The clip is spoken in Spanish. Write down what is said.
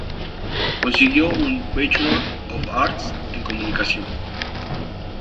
Consiguió un Bachelor of Arts en comunicación.